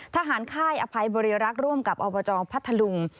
ค่ายอภัยบริรักษ์ร่วมกับอบจพัทธลุง